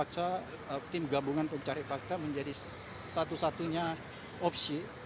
itu satu opsinya bahwa timgabungan pencari fakta menjadi satu satunya opsi